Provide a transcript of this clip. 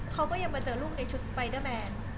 เขาก็ยังมาเจอลูกในชุดสไปเดอร์แมน